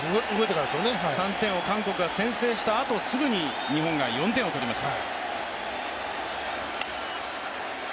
３点を韓国が先制したあとすぐに日本が４点を取りました。